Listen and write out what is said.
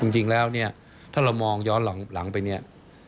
จริงแล้วเนี่ยถ้าเรามองย้อนหลังไปเนี่ย